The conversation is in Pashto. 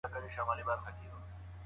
د کمېسیون غونډي چیرته کېږي؟